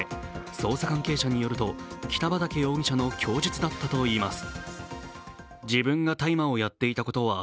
捜査関係者によると北畠容疑者の供述だったといいます。